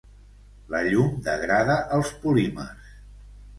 La llum degrada els polímers.